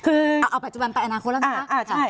คือเอาปัจจุบันไปอนาคตแล้วนะคะ